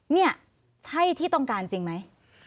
นี่ใช่ที่ต้องการจริงไหม